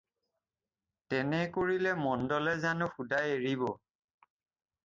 তেনে কৰিলে মণ্ডলে জানো শুদাই এৰিব।